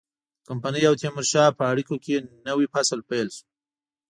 د کمپنۍ او تیمورشاه په اړیکو کې نوی فصل پیل شو.